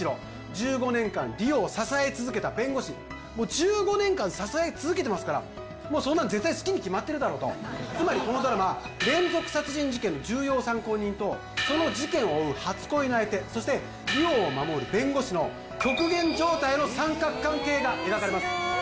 １５年間梨央を支え続けた弁護士もう１５年間支え続けてますからもうそんなん絶対好きに決まってるだろうとつまりこのドラマ連続殺人事件の重要参考人とその事件を追う初恋の相手そして梨央を守る弁護士の極限状態の三角関係が描かれます